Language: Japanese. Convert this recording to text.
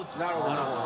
なるほど。